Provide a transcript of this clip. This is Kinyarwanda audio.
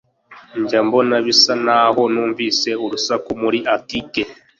Njye mbona bisa naho numvise urusaku muri atike.